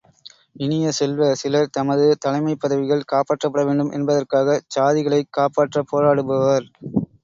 இனிய செல்வ, சிலர் தமது தலைமைப் பதவிகள் காப்பாற்றப்பட வேண்டும் என்பதற்காகச் சாதிகளைக் காப்பாற்றப் போராடுவர்.